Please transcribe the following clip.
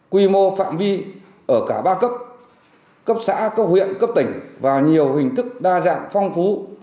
quy mô phạm vi ở cả ba cấp xã cấp huyện cấp tỉnh và nhiều hình thức đa dạng phong phú